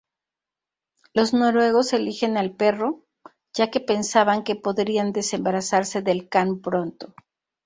Los noruegos eligen al perro, ya que pensaban que podrían desembarazarse del can pronto.